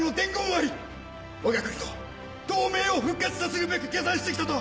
わが国と同盟を復活させるべく下山して来たと！